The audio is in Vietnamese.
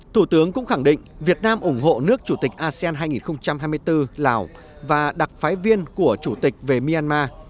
thủ tướng cũng khẳng định việt nam ủng hộ nước chủ tịch asean hai nghìn hai mươi bốn lào và đặc phái viên của chủ tịch về myanmar